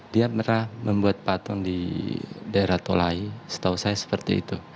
dia pernah membuat patung di daerah tolai setahu saya seperti itu